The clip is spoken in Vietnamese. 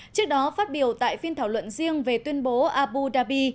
trước đó phát biểu tại phiên thảo luận riêng về tuyên bố abu dhabi